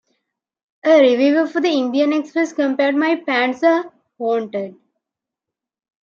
A reviewer for the Indian Express compared My Pants are Haunted!